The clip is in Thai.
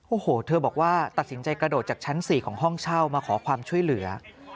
โอ้โหเธอบอกว่าตัดสินใจกระโดดจากชั้น๔ของห้องเช่ามาขอความช่วยเหลือ